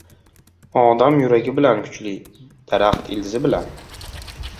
• Odam yuragi bilan kuchli, daraxt — ildizi bilan.